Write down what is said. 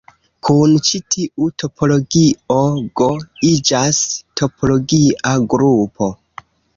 Kun ĉi tiu topologio "G" iĝas topologia grupo.